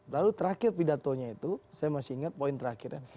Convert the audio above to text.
lalu terakhir pidatonya itu saya masih ingat poin terakhir ya